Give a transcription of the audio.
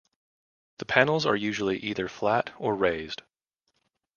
The panels are usually either flat or raised.